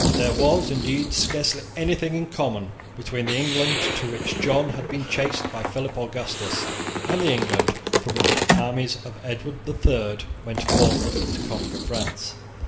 There was, indeed, scarcely anything in common between the England to which John had been chased by Philip Augustus, and the England from which the armies of Edward the Third went forth to conquer France.